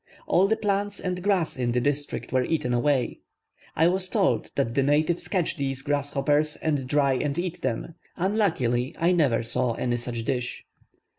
All the plants and grass in the district were eaten away. I was told that the natives catch these grasshoppers and dry and eat them. Unluckily I never saw any such dish.